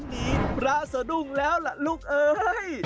ง่านนี่พระสดุ้งแล้วล่ะลูกเอ๋ย